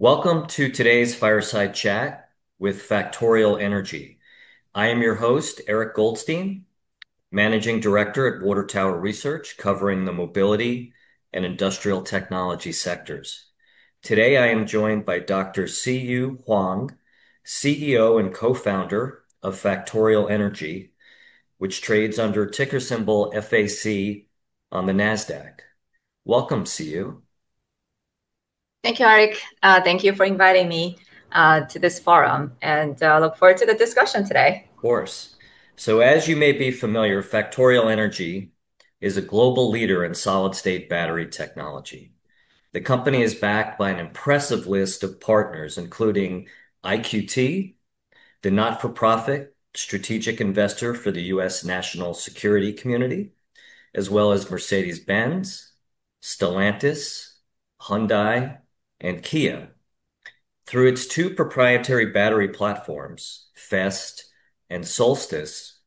Welcome to today's fireside chat with Factorial Energy. I am your host, Eric Goldstein, managing director at Water Tower Research, covering the mobility and industrial technology sectors. Today I am joined by Dr. Siyu Huang, CEO and Co-Founder of Factorial Energy, which trades under ticker symbol FAC on the Nasdaq. Welcome, Siyu. Thank you, Eric. Thank you for inviting me to this forum. I look forward to the discussion today. Of course. As you may be familiar, Factorial Energy is a global leader in solid-state battery technology. The company is backed by an impressive list of partners, including IQT, the not-for-profit strategic investor for the U.S. National Security Community, as well as Mercedes-Benz, Stellantis, Hyundai, and Kia. Through its two proprietary battery platforms, FEST and Solstice,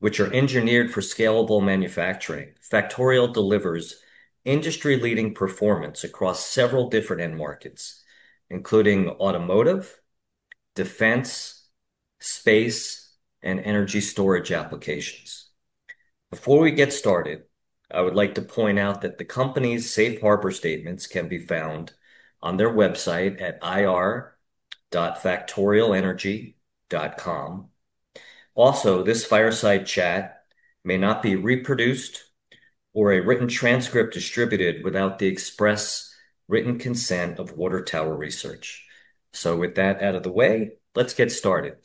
which are engineered for scalable manufacturing, Factorial delivers industry-leading performance across several different end markets, including automotive, defense, space, and energy storage applications. Before we get started, I would like to point out that the company's safe harbor statements can be found on their website at ir.factorialenergy.com. Also, this fireside chat may not be reproduced or a written transcript distributed without the express written consent of Water Tower Research. With that out of the way, let's get started.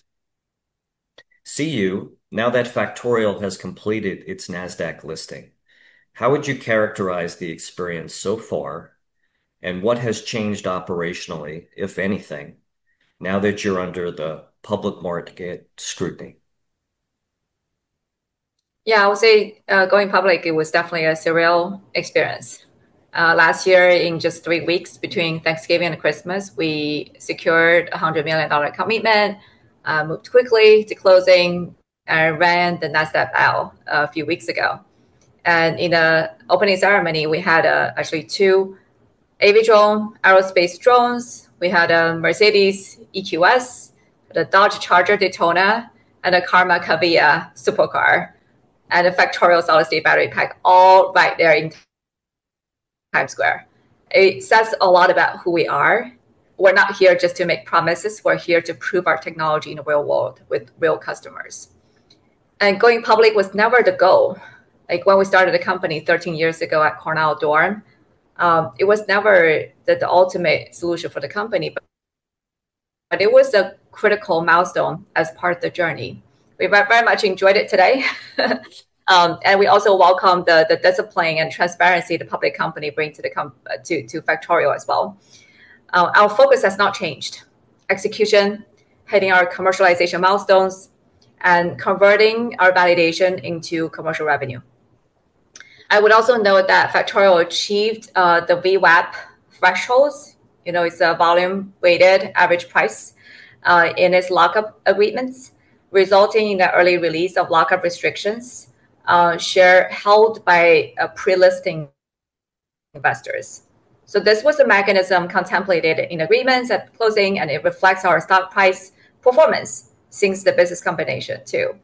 Siyu, now that Factorial has completed its Nasdaq listing, how would you characterize the experience so far? What has changed operationally, if anything, now that you're under the public market scrutiny? Yeah, I would say going public, it was definitely a surreal experience. Last year in just three weeks between Thanksgiving and Christmas, we secured a $100 million commitment, moved quickly to closing and rang the Nasdaq bell a few weeks ago. In the opening ceremony we had actually 2 AV drone, aerospace drones. We had a Mercedes EQS, the Dodge Charger Daytona, a Karma Revero super car, and a Factorial solid state battery pack all right there in Times Square. It says a lot about who we are. We're not here just to make promises. We're here to prove our technology in the real world with real customers. Going public was never the goal. Like when we started the company 13 years ago at Cornell dorm, it was never the ultimate solution for the company, but it was a critical milestone as part of the journey. We very much enjoyed it today. We also welcome the discipline and transparency the public company bring to Factorial as well. Our focus has not changed. Execution, hitting our commercialization milestones, and converting our validation into commercial revenue. I would also note that Factorial achieved the VWAP thresholds. It's a volume weighted average price, in its lockup agreements resulting in the early release of lockup restrictions, share held by pre-listing investors. This was a mechanism contemplated in agreements at the closing, and it reflects our stock price performance since the business combination too.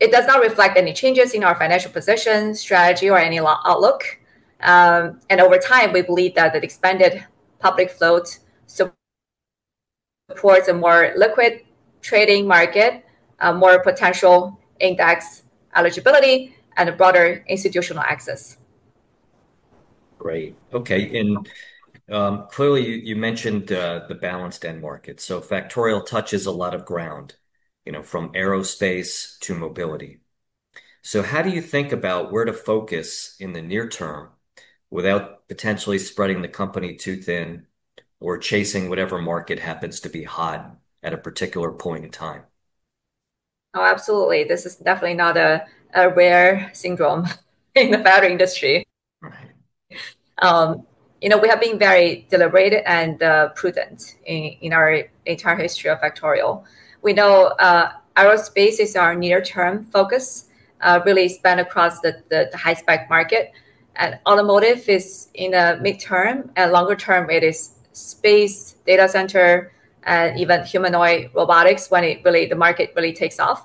It does not reflect any changes in our financial position, strategy or any outlook. Over time we believe that the expanded public float supports a more liquid trading market, more potential index eligibility, and a broader institutional access. Great. Okay. Clearly you mentioned the balanced end market. Factorial touches a lot of ground, from aerospace to mobility. How do you think about where to focus in the near term without potentially spreading the company too thin or chasing whatever market happens to be hot at a particular point in time? Oh, absolutely. This is definitely not a rare syndrome in the battery industry. Right. We have been very deliberate and prudent in our entire history of Factorial. We know aerospace is our near-term focus, really span across the high-spec market, and automotive is in the mid-term. At longer-term it is space, data center, and even humanoid robotics, when the market really takes off.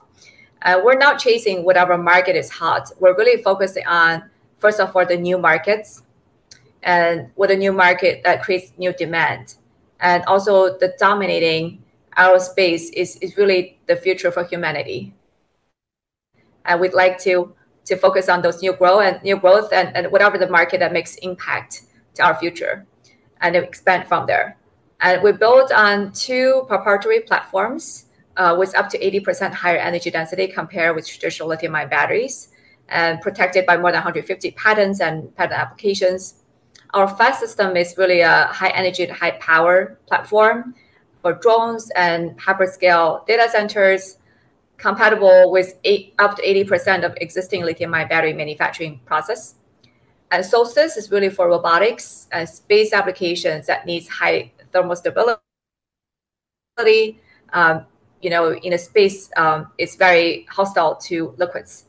We're not chasing whatever market is hot. We're really focusing on, first of all, the new markets and with the new market that creates new demand. Also, the dominating aerospace is really the future for humanity, and we'd like to focus on those new growth and whatever the market that makes impact to our future and expand from there. We built on two proprietary platforms, with up to 80% higher energy density compared with traditional lithium-ion batteries, and protected by more than 150 patents and patent applications. Our FEST system is really a high energy to high power platform for drones and hyperscale data centers compatible with up to 80% of existing lithium-ion battery manufacturing process. Solstice is really for robotics and space applications that needs high thermal stability. Really, in a space, it's very hostile to liquids.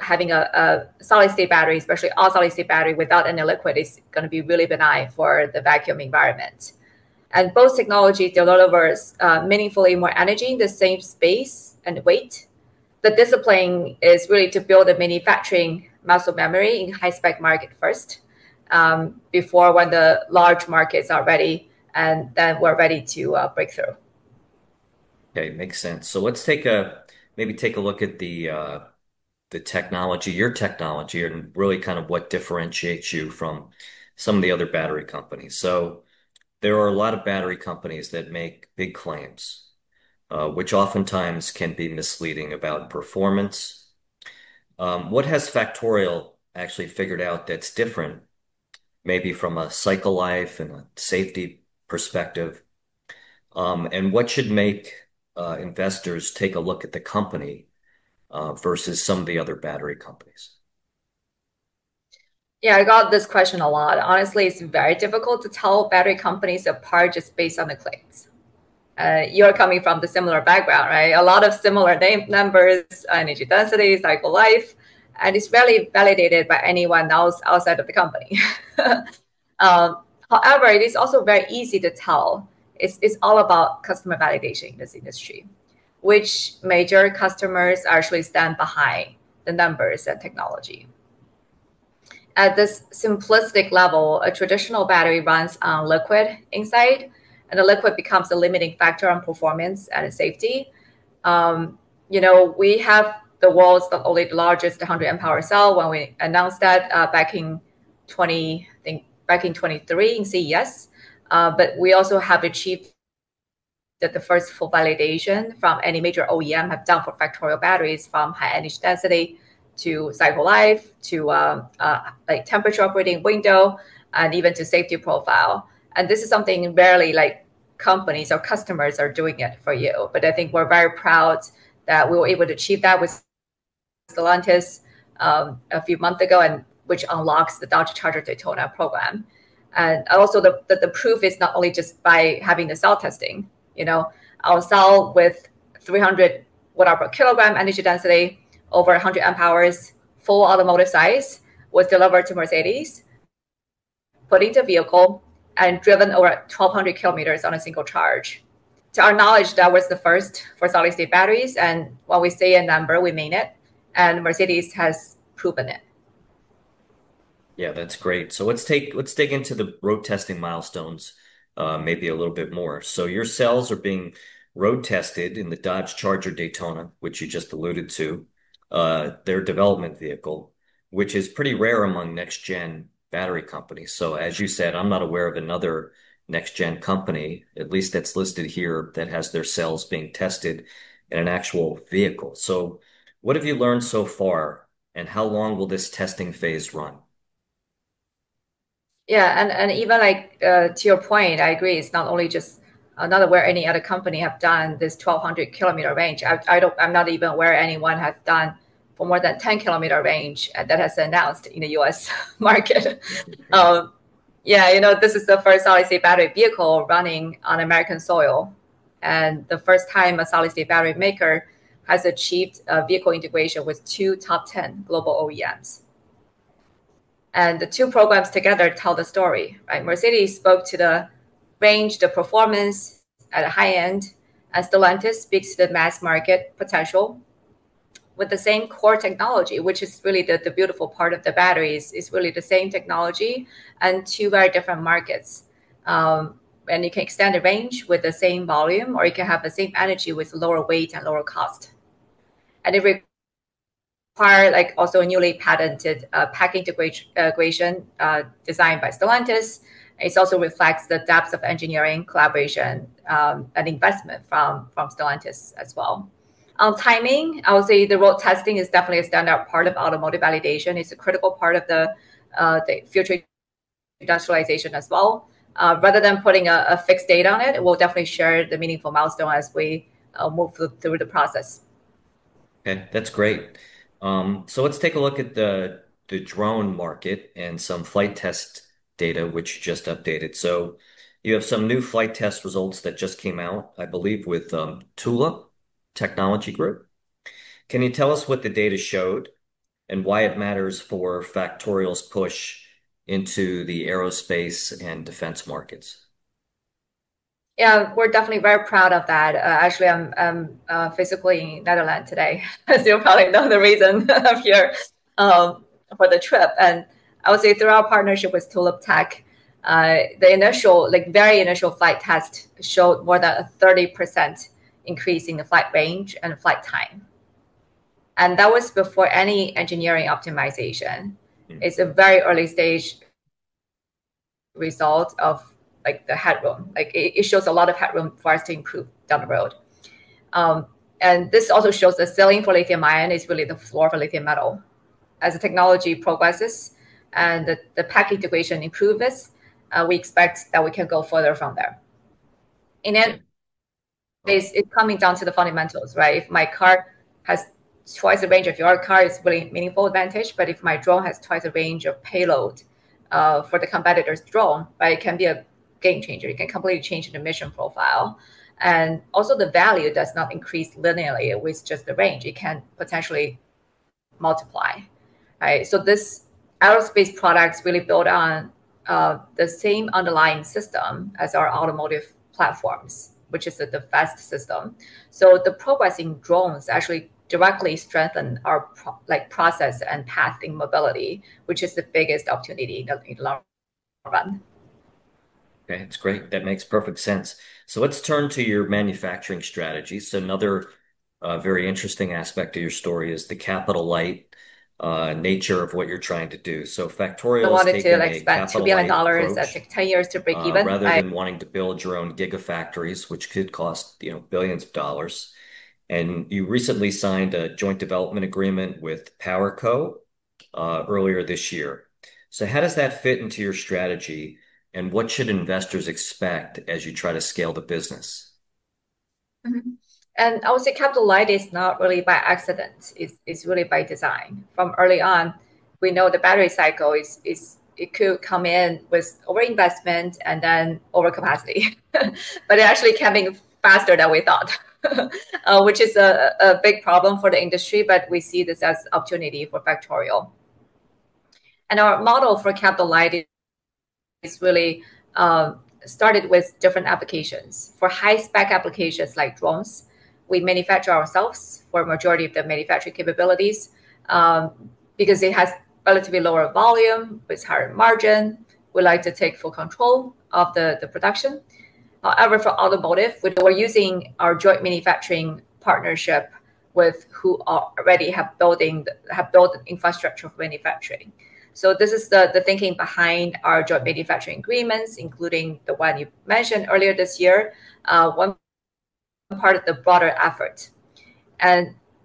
Having a solid-state battery, especially all-solid-state battery without any liquid, is going to be really benign for the vacuum environment. Both technology delivers meaningfully more energy in the same space and weight. The discipline is really to build a manufacturing muscle memory in high-spec market first, before when the large markets are ready, and then we're ready to break through. Okay, makes sense. Let's maybe take a look at your technology and really what differentiates you from some of the other battery companies. There are a lot of battery companies that make big claims, which oftentimes can be misleading about performance. What has Factorial actually figured out that's different, maybe from a cycle life and a safety perspective? What should make investors take a look at the company versus some of the other battery companies? Yeah, I got this question a lot. Honestly, it's very difficult to tell battery companies apart just based on the claims. You're coming from the similar background, right? A lot of similar name numbers, energy densities, cycle life. It's rarely validated by anyone else outside of the company. However, it is also very easy to tell it's all about customer validation in this industry, which major customers actually stand behind the numbers and technology. At this simplistic level, a traditional battery runs on liquid inside, and the liquid becomes a limiting factor on performance and safety. We have the world's only largest 100 amp-hour cell, when we announced that back in 2023 in CES. We also have achieved that the first full validation from any major OEM have done for Factorial batteries from high energy density to cycle life to temperature operating window, and even to safety profile. This is something rarely companies or customers are doing it for you. I think we're very proud that we were able to achieve that with Stellantis a few months ago, which unlocks the Dodge Charger Daytona program. Also the proof is not only just by having the cell testing. Our cell with 300Wh/Kg energy density, over 100 amp hours, full automotive size, was delivered to Mercedes, put into vehicle, and driven over 1,200km on a single charge. To our knowledge, that was the first for solid state batteries, and when we say a number, we mean it, and Mercedes has proven it. That's great. Let's dig into the road testing milestones maybe a little bit more. Your cells are being road tested in the Dodge Charger Daytona, which you just alluded to, their development vehicle, which is pretty rare among next gen battery companies. As you said, I'm not aware of another next gen company, at least that's listed here, that has their cells being tested in an actual vehicle. What have you learned so far, and how long will this testing phase run? Even to your point, I agree, it's not aware any other company have done this 1,200km range. I'm not even aware anyone has done for more than 10 kilometer range that has announced in the U.S. market. This is the first solid state battery vehicle running on American soil, and the first time a solid state battery maker has achieved vehicle integration with two top 10 global OEMs. The two programs together tell the story, right? Mercedes spoke to the range, the performance at a high end, as Stellantis speaks to the mass market potential with the same core technology, which is really the beautiful part of the batteries, is really the same technology and two very different markets. You can extend the range with the same volume, or you can have the same energy with lower weight and lower cost. It require also a newly patented pack integration designed by Stellantis. It also reflects the depths of engineering collaboration, and investment from Stellantis as well. On timing, I would say the road testing is definitely a standout part of automotive validation. It's a critical part of the future industrialization as well. Rather than putting a fixed date on it, we'll definitely share the meaningful milestone as we move through the process. Okay, that's great. Let's take a look at the drone market and some flight test data which you just updated. You have some new flight test results that just came out, I believe with Tulip Tech Group. Can you tell us what the data showed and why it matters for Factorial's push into the aerospace and defense markets? Yeah. We're definitely very proud of that. Actually, I'm physically in Netherlands today. You probably know the reason I'm here for the trip. I would say through our partnership with Tulip Tech, the very initial flight test showed more than a 30% increase in the flight range and flight time. That was before any engineering optimization. It's a very early stage result of the headroom. It shows a lot of headroom for us to improve down the road. This also shows the ceiling for lithium ion is really the floor for lithium metal. As the technology progresses and the pack integration improves, we expect that we can go further from there. In the end, it coming down to the fundamentals, right? If my car has twice the range of your car, it's really meaningful advantage, if my drone has twice the range for the competitor's drone, it can be a game changer. It can completely change the mission profile. Also the value does not increase linearly with just the range. It can potentially multiply. These aerospace products really build on the same underlying system as our automotive platforms, which is the FEST system. The progressing drones actually directly strengthen our process and path in mobility, which is the biggest opportunity in the long run. Okay. That's great. That makes perfect sense. Let's turn to your manufacturing strategy. Another very interesting aspect of your story is the capital-light nature of what you're trying to do. Factorial's taken- I wanted to expect $trillion and take 10 years to break even. a capital-light approach, rather than wanting to build your own gigafactories, which could cost $billions. You recently signed a joint development agreement with PowerCo earlier this year. How does that fit into your strategy, and what should investors expect as you try to scale the business? Mm-hmm. I would say capital-light is not really by accident, it's really by design. From early on, we know the battery cycle it could come in with overinvestment and then overcapacity. It actually coming faster than we thought, which is a big problem for the industry, but we see this as opportunity for Factorial. Our model for capital-light is really started with different applications. For high spec applications like drones, we manufacture ourselves for a majority of the manufacturing capabilities. Because it has relatively lower volume with higher margin, we like to take full control of the production. However, for automotive, we're using our joint manufacturing partnership with who already have built infrastructure for manufacturing. This is the thinking behind our joint manufacturing agreements, including the one you mentioned earlier this year, one part of the broader effort.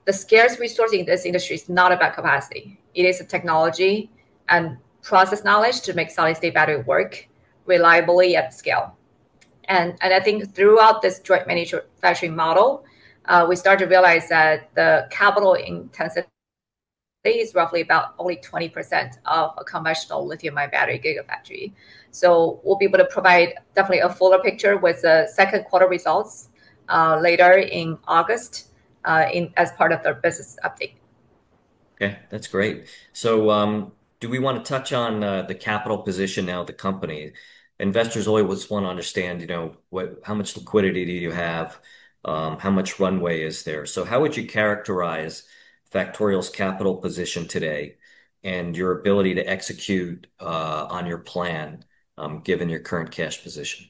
The scarce resource in this industry is not about capacity. It is the technology and process knowledge to make solid-state battery work reliably at scale. I think throughout this joint manufacturing model, we start to realize that the capital intensity is roughly about only 20% of a conventional lithium-ion battery gigafactory. We'll be able to provide definitely a fuller picture with the second quarter results later in August as part of our business update. Okay, that's great. Do we want to touch on the capital position now of the company? Investors always want to understand how much liquidity do you have? How much runway is there? How would you characterize Factorial's capital position today and your ability to execute on your plan given your current cash position?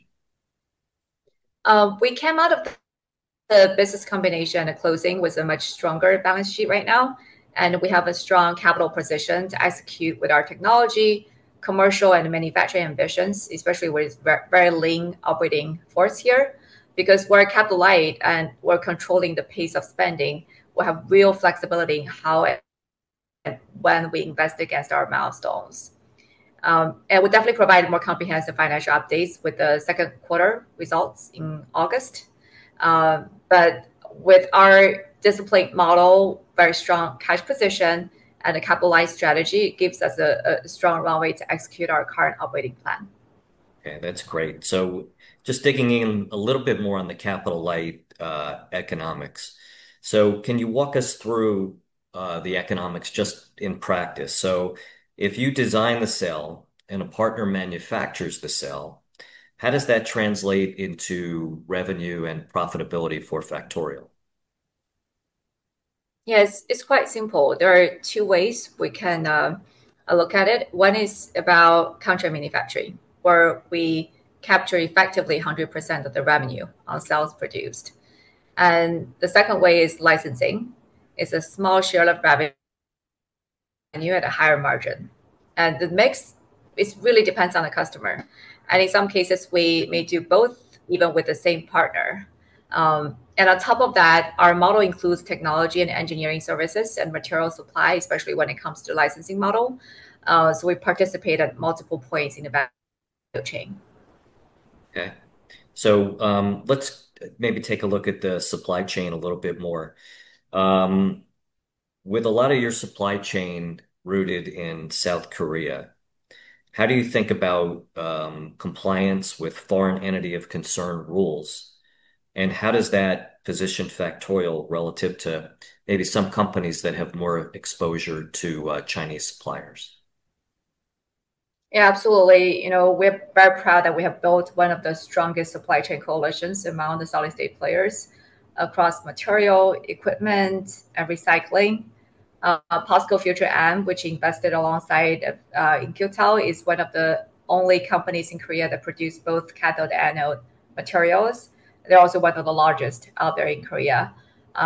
We came out of the business combination and closing with a much stronger balance sheet right now, we have a strong capital position to execute with our technology, commercial, and manufacturing ambitions, especially with very lean operating force here. Because we're capital-light and we're controlling the pace of spending, we have real flexibility in how and when we invest against our milestones. We'll definitely provide more comprehensive financial updates with the second quarter results in August. With our disciplined model, very strong cash position, and a capitalized strategy, it gives us a strong runway to execute our current operating plan. Okay, that's great. Just digging in a little bit more on the capital-light economics. Can you walk us through the economics just in practice? If you design the cell and a partner manufactures the cell, how does that translate into revenue and profitability for Factorial? Yes, it's quite simple. There are two ways we can look at it. One is about contract manufacturing, where we capture effectively 100% of the revenue on cells produced. The second way is licensing, is a small share of revenue and you had a higher margin. The mix, it really depends on the customer. In some cases we may do both even with the same partner. On top of that, our model includes technology and engineering services and material supply, especially when it comes to licensing model, so we participate at multiple points in the value chain. Okay. Let's maybe take a look at the supply chain a little bit more. With a lot of your supply chain rooted in South Korea, how do you think about compliance with Foreign Entity of Concern rules? How does that position Factorial relative to maybe some companies that have more exposure to Chinese suppliers? Yeah, absolutely. We're very proud that we have built one of the strongest supply chain coalitions among the solid state players across material, equipment, and recycling. POSCO Future M, which invested alongside In-Q-Tel, is one of the only companies in Korea that produce both cathode anode materials. They're also one of the largest out there in Korea.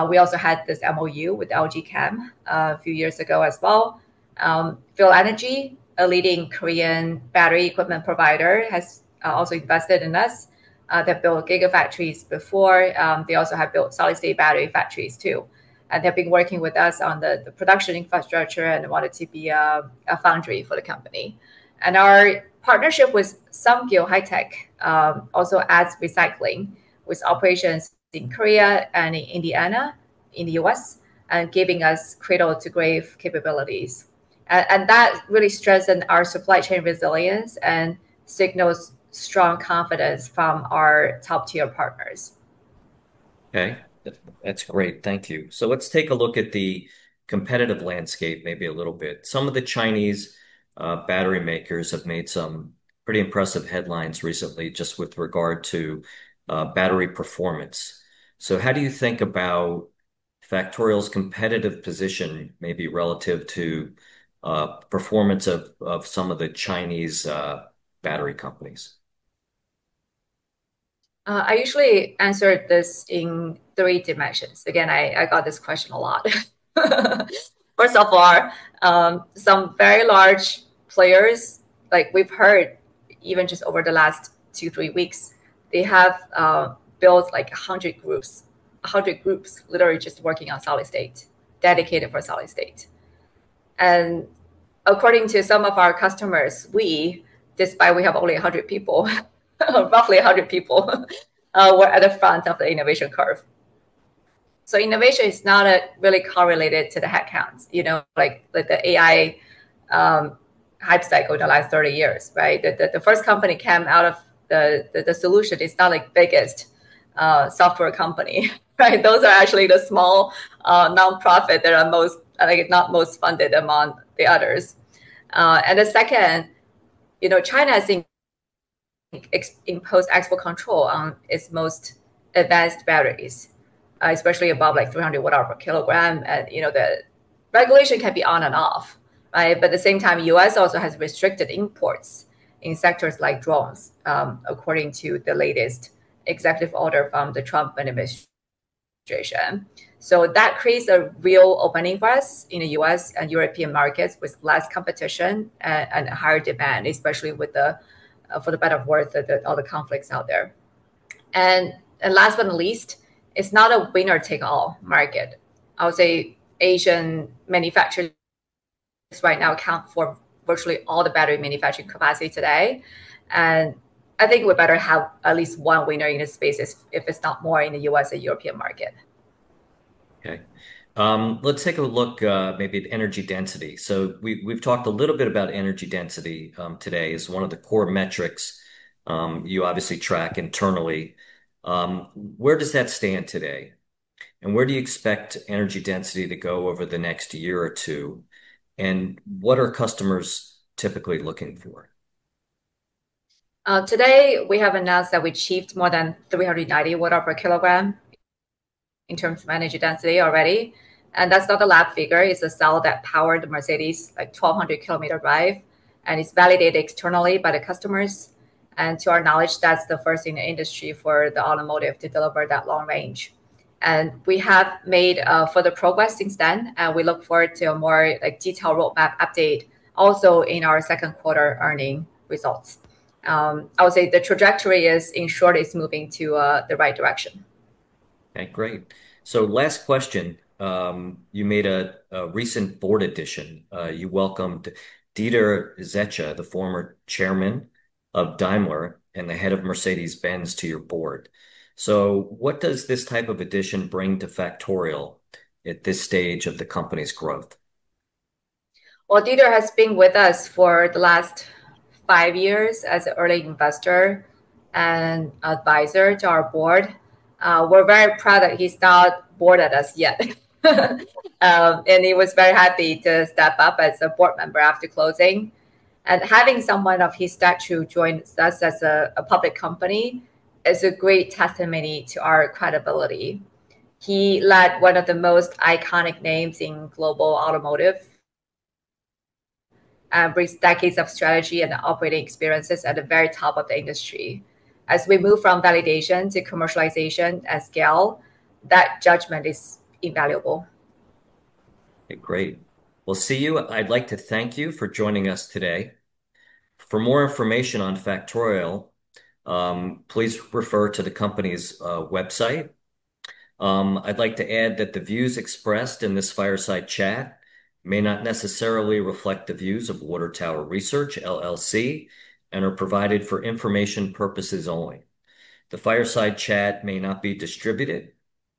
We also had this MOU with LG Chem a few years ago as well. Philenergy, a leading Korean battery equipment provider, has also invested in us. They've built gigafactories before. They also have built solid state battery factories too, and they've been working with us on the production infrastructure and wanted to be a foundry for the company. Our partnership with Samkyung HiTech also adds recycling with operations in Korea and in Indiana in the U.S. and giving us cradle-to-grave capabilities. That really strengthened our supply chain resilience and signals strong confidence from our top-tier partners. Okay. That's great. Thank you. Let's take a look at the competitive landscape maybe a little bit. Some of the Chinese battery makers have made some pretty impressive headlines recently just with regard to battery performance. How do you think about Factorial's competitive position, maybe relative to performance of some of the Chinese battery companies? I usually answer this in three dimensions. Again, I got this question a lot. First of all, some very large players, like we've heard even just over the last two, three weeks, they have built like 100 groups. 100 groups literally just working on solid state, dedicated for solid state. According to some of our customers, we, despite we have only 100 people, roughly 100 people, are at the front of the innovation curve. Innovation is not really correlated to the headcounts. Like the AI hype cycle the last 30 years, right? The first company came out of the solution is now the biggest software company, right? Those are actually the small nonprofit that are most, if not most funded among the others. The second, China has imposed export control on its most advanced batteries, especially above 300Wh/Kg. The regulation can be on and off, right? At the same time, U.S. also has restricted imports in sectors like drones, according to the latest executive order from the Trump administration. That creates a real opening for us in the U.S. and European markets with less competition and higher demand, especially for the better worth of all the conflicts out there. Last but not least, it's not a winner-take-all market. I would say Asian manufacturers right now account for virtually all the battery manufacturing capacity today. I think we better have at least one winner in the spaces, if it's not more in the U.S. or European market. Okay. Let's take a look maybe at energy density. We've talked a little bit about energy density today as one of the core metrics you obviously track internally. Where does that stand today, and where do you expect energy density to go over the next year or two, and what are customers typically looking for? Today, we have announced that we achieved more than 390Wh/Kg in terms of energy density already. That's not a lab figure. It's a cell that powered the Mercedes 1,200km drive. It's validated externally by the customers. To our knowledge, that's the first in the industry for the automotive to deliver that long range. We have made further progress since then. We look forward to a more detailed roadmap update also in our second quarter earnings results. I would say the trajectory is, in short, is moving to the right direction. Okay, great. Last question. You made a recent board addition. You welcomed Dieter Zetsche, the former chairman of Daimler and the head of Mercedes-Benz, to your board. What does this type of addition bring to Factorial at this stage of the company's growth? Well, Dieter has been with us for the last five years as an early investor and advisor to our board. We're very proud that he's not bored at us yet. He was very happy to step up as a board member after closing. Having someone of his stature join us as a public company is a great testimony to our credibility. He led one of the most iconic names in global automotive and brings decades of strategy and operating experiences at the very top of the very top of the industry. As we move from validation to commercialization at scale, that judgment is invaluable. Okay, great. Well, Siyu, I'd like to thank you for joining us today. For more information on Factorial, please refer to the company's website. I'd like to add that the views expressed in this fireside chat may not necessarily reflect the views of Water Tower Research, LLC, and are provided for information purposes only. The fireside chat may not be distributed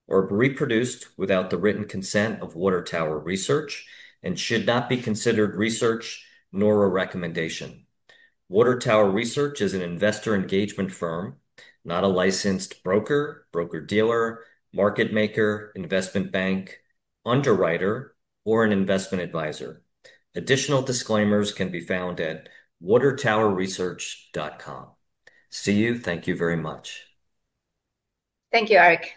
or reproduced without the written consent of Water Tower Research and should not be considered research nor a recommendation. Water Tower Research is an investor engagement firm, not a licensed broker-dealer, market maker, investment bank, underwriter, or an investment advisor. Additional disclaimers can be found at watertowerresearch.com. Siyu, thank you very much. Thank you, Eric.